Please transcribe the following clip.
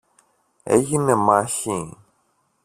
Έγινε μάχη;